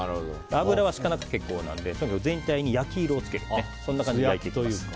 油はひかなくても結構なので全体に焼き色を付けてそんな感じで焼いていきます。